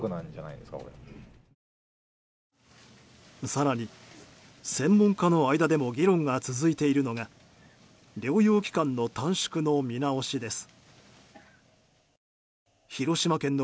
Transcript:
更に、専門家の間でも議論が続いているのが療養期間の短縮の見直しです。